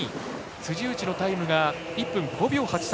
辻内のタイムが１分５秒８３。